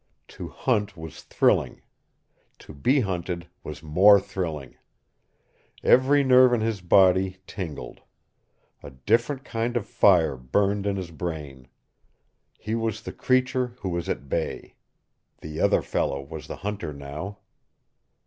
To hunt was thrilling. To be hunted was more thrilling. Every nerve in his body tingled. A different kind of fire burned in his brain. He was the creature who was at bay. The other fellow was the hunter now.